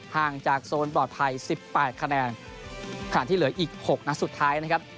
ห่างจากโซนปลอดภัยสิบแปดคะแนนขณะที่เหลืออีก๖นัดสุดท้ายนะครับ